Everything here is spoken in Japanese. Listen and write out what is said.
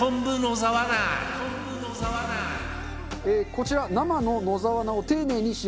こちら生の野沢菜を丁寧に塩漬け。